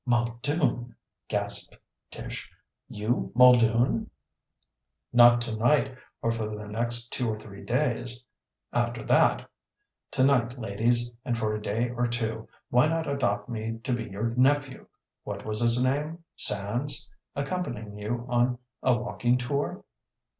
"Muldoon!" gasped Tish. "You Muldoon!" "Not tonight or for the next two or three days. After that Tonight, ladies, and for a day or two, why not adopt me to be your nephew what was his name Sands? accompanying you on a walking tour?"